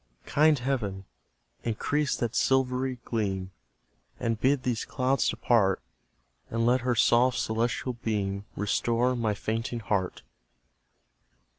Kind Heaven! increase that silvery gleam And bid these clouds depart, And let her soft celestial beam Restore my fainting heart!